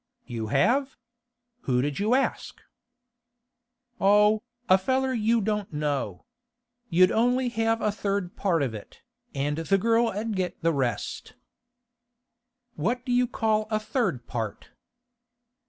'You have? Who did you ask?' 'Oh, a feller you don't know. You'd only have a third part of it, and the girl 'ud get the rest.' 'What do you call a third part?